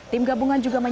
tim gabungan juga berpikir